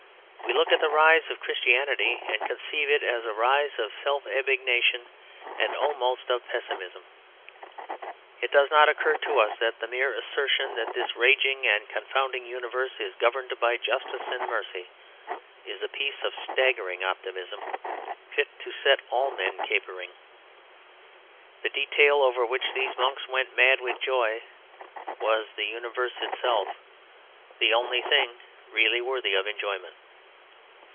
We look at the rise of Christianity, and conceive it as a rise of self abnegation and almost of pessimism. It does not occur to us that the mere assertion that this raging and confounding universe is governed by justice and mercy is a piece of staggering optimism fit to set all men capering. The detail over which these monks went mad with joy was the universe itself; the only thing really worthy of enjoyment.